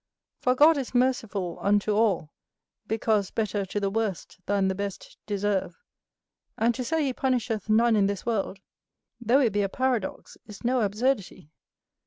For God is merciful unto all, because better to the worst than the best deserve; and to say he punisheth none in this world, though it be a paradox, is no absurdity.